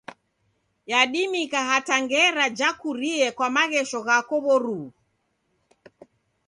Yadimika hata ngera jakurie kwa maghesho ghako w'oruw'u.